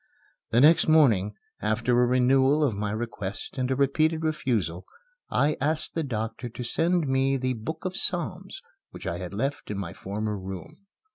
The next morning, after a renewal of my request and a repeated refusal, I asked the doctor to send me the "Book of Psalms" which I had left in my former room.